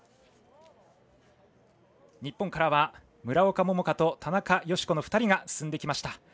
日本からは村岡桃佳と田中佳子の２人が進んできました。